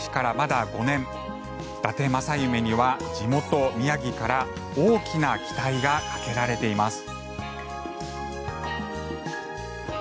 だて正夢には地元・宮城から大きな期待がかけられています。